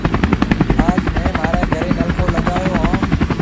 آج ميه مهاريَ گھريَ نلڪو لاگائيو هيَ۔